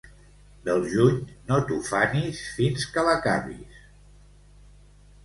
Del juny no t'ufanis fins que l'acabis.